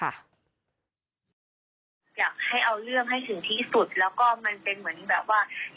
อยากให้เอาเรื่องให้ถึงที่สุดแล้วก็มันเป็นเหมือนแบบว่า